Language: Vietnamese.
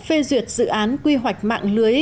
phê duyệt dự án quy hoạch mạng lưới